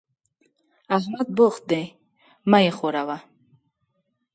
احمد بوخت دی؛ مه يې ښوروه.